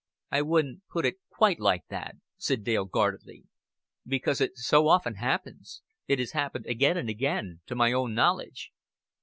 "I wouldn't put it quite like that," said Dale guardedly. "Because it so often happens. It has happened again and again to my own knowledge."